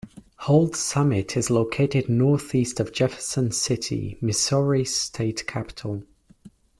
Holts Summit is located northeast of Jefferson City, Missouri's state capital.